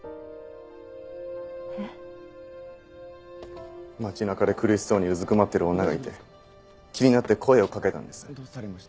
えっ？街中で苦しそうにうずくまってる女がいて気になって声をかけたんです。